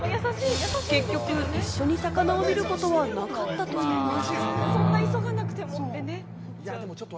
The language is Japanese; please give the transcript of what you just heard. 結局一緒に魚を見ることはなかったといいます。